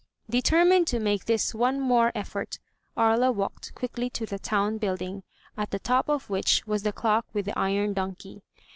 Determined to make this one more effort, Aria walked quickly to the town building, at the top of which was the clock with the iron donkey.